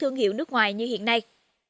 thương hiệu nước ngoài như hiện nay